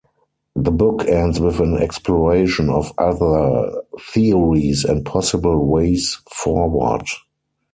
The book ends with an exploration of other theories and possible ways forward.